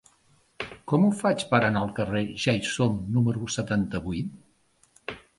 Com ho faig per anar al carrer de Ja-hi-som número setanta-vuit?